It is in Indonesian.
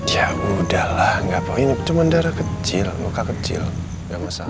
ya udahlah gak apa apa ini cuma darah kecil luka kecil gak masalah